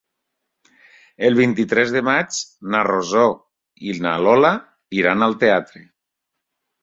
El vint-i-tres de maig na Rosó i na Lola iran al teatre.